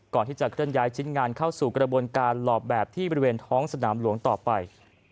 ก่อนที่จะเคลื่อนย้ายชิ้นงานเข้าสู่กระบวนการหลอบแบบที่บริเวณท้องสนามหลวงต่อไป